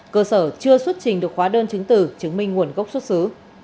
cơ sở chưa xuất trình được khóa đơn chứng từ chứng minh nguồn gốc xuất xứ